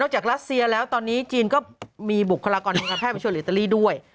จากรัสเซียแล้วตอนนี้จีนก็มีบุคลากรทางการแพทย์มาชวนอิตาลีด้วย